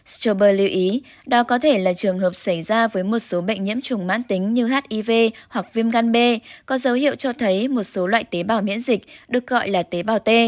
sturber lưu ý đó có thể là trường hợp xảy ra với một số bệnh nhiễm trùng mãn tính như hiv hoặc viêm gan b có dấu hiệu cho thấy một số loại tế bào miễn dịch được gọi là tế bào t